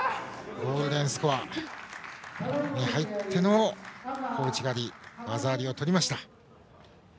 ゴールデンスコアに入っての小内刈り技ありをとりました。